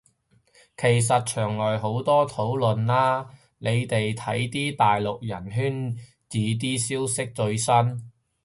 其實牆內好多討論啦，你哋睇啲大陸人圈子啲消息最新